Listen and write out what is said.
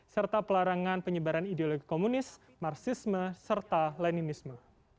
serta pelarangan penyebaran ideologi komunis marsisme serta leninisme